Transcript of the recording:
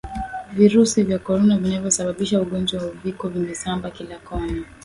virusi vya corona vinavyosababisha ugonjwa wa Uviko vimesamba kila kona